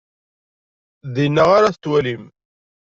Dinna ara t-twalim.